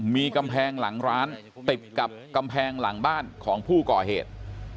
มีกำแพงหลังร้านติดกับกำแพงหลังบ้านของผู้ก่อเหตุ